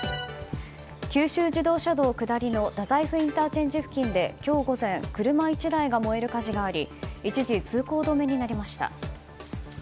九州自動車道下りの大宰府ＩＣ付近で今日午前車１台が燃える火事があり一時通行止めになりました。